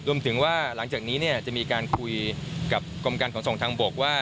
รวมถึงว่าหลังจากนี้จะมีการคุยกับกรมการขนส่งทางบกว่า